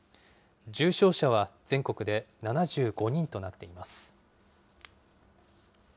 重症者は全国で７５人となっています。